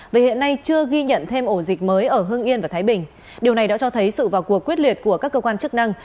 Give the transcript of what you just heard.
vì hiện nay chưa ghi nhận thêm ổ dịch mới ở hưng yên và thái bình điều này đã cho thấy sự vào cuộc quyết liệt của các cơ quan chức năng